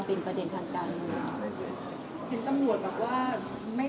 ที่จะจุดมาเป็นประเด็นทางการเรียน